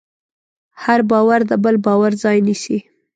هر باور د بل باور ځای نيسي.